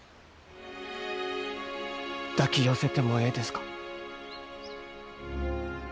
抱き寄せてもええですか？